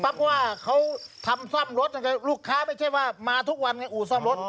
เพราะว่าเขาทำซ่อมรถลูกค้าไม่ใช่ว่ามาทุกวันในอู่ซ่อมรถ